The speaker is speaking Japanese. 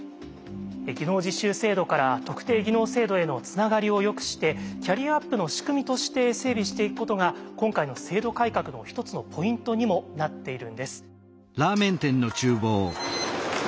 技能実習制度から特定技能制度へのつながりをよくしてキャリアアップの仕組みとして整備していくことが今回の制度改革の一つのポイントにもなっているんです。